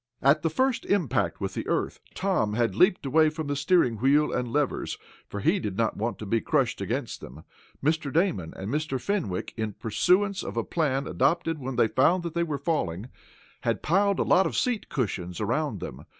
At the first impact with the earth, Tom had leaped away from the steering wheel and levers, for he did not want to be crushed against them. Mr. Damon and Mr. Fenwick, in pursuance of a plan adopted when they found that they were falling, had piled a lot of seat cushions around them.